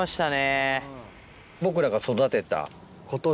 僕らが育てた。